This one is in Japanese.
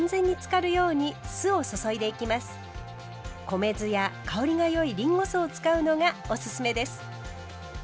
米酢や香りがよいりんご酢を使うのがおすすめです。